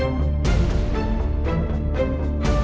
tolong aduh aduh